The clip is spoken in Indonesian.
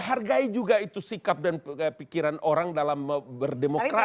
hargai juga itu sikap dan pikiran orang dalam berdemokrasi